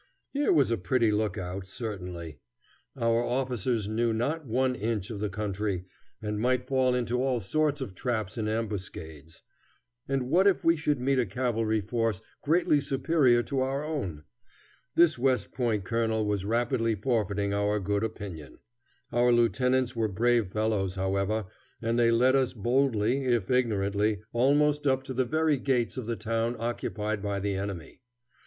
Here was a pretty lookout, certainly! Our officers knew not one inch of the country, and might fall into all sorts of traps and ambuscades; and what if we should meet a cavalry force greatly superior to our own? This West Point colonel was rapidly forfeiting our good opinion. Our lieutenants were brave fellows, however, and they led us boldly if ignorantly, almost up to the very gates of the town occupied by the enemy.